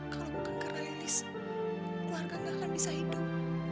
kalau bukan karena lilis keluarga gak akan bisa hidup